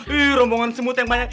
wih rombongan semut yang banyak